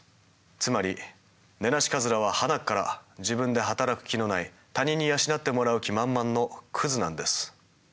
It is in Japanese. つまりネナシカズラははなっから自分で働く気のない他人に養ってもらう気満々のクズなんです。